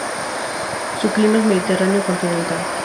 Su clima es mediterráneo continental.